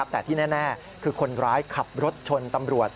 แต่ที่แน่คือคนร้ายขับรถชนตำรวจ